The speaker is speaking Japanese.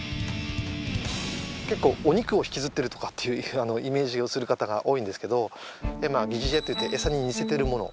結構お肉を引きずってるとかっていうイメージをする方が多いんですけど疑似餌といって餌に似せてるもの。